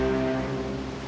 aku akan mulai